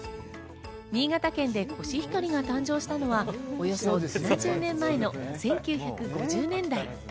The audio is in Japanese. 新潟県でコシヒカリが誕生したのはおよそ７０年前の１９５０年代。